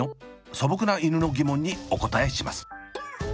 素朴な犬の疑問にお答えします！